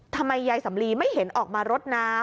ทำไมยายสำลีไม่เห็นออกมารดน้ำ